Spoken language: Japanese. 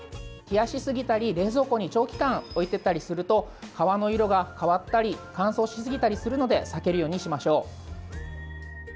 冷やしすぎたり、冷蔵庫に長期間置いていたりすると皮の色が変わったり乾燥しすぎたりするので避けるようにしましょう。